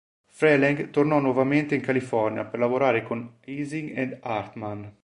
Freleng tornò nuovamente in California per lavorare con Ising ed Harman.